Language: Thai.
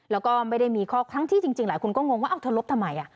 แล้วก็ไม่ได้มีข้อทั้งที่จริงหลายคนก็งงว่าเธอลบทำไม